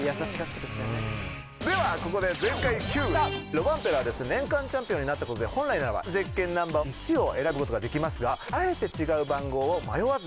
ロバンペラはですね年間チャンピオンになった事で本来ならばゼッケンナンバー１を選ぶ事ができますがあえて違う番号を迷わず選びました。